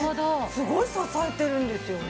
すごい支えてるんですよね。